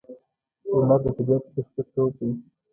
هنر د طبیعت بشپړتوب دی.